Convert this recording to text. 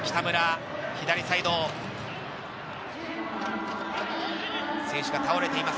左サイド、選手が倒れています。